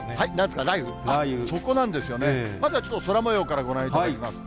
そこなんですけどもね、まずはちょっと空もようからご覧いただきます。